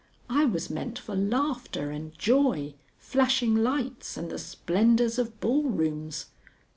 I was meant for laughter and joy, flashing lights, and the splendors of ballrooms.